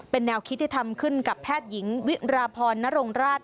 เป็นแนวคิดที่ทำขึ้นกับแพทย์หญิงวิราพรนรงราช